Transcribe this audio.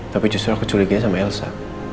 tapi justru aku curiganya sama elsa